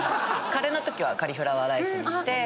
カレーのときはカリフラワーライス？